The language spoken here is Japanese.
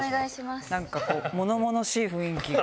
なんかこう、ものものしい雰囲気。